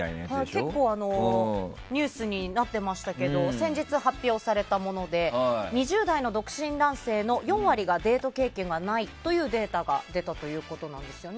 結構、ニュースになってましたけど先日発表されたもので２０代の独身男性の４割がデート経験がないというデータが出たということです。